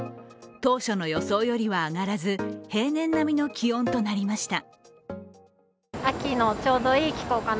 当初の予想よりは上がらず平年並みの気温となりました。